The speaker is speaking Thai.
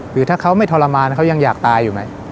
หรือถ้าเขาไม่ทรมานเขายังอยากตายอยู่ไหม